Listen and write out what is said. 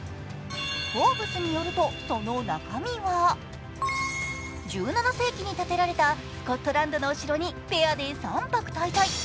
「フォーブス」によると、その中身は１７世紀にたてられたスコットランドのお城にペアで３泊滞在